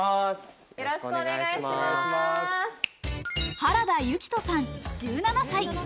原田夕季叶さん、１７歳。